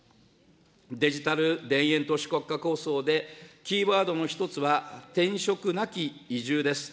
デジタル田園都市国家構想でキーワードの一つは、転職なき移住です。